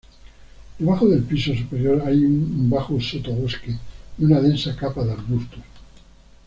Debajo del piso superior hay un bajo sotobosque y una densa capa de arbustos.